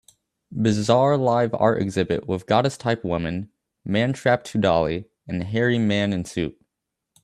Bizarre live art exhibit with goddess type woman man strapped to dolly and hairy man in suit